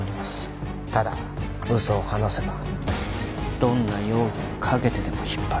ただ嘘を話せばどんな容疑をかけてでも引っ張る。